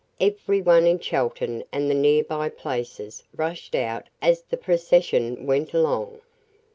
Every one in Chelton and the near by places rushed out as the procession went along.